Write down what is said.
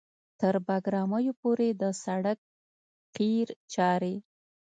تر بګرامیو پورې د سړک قیر چارې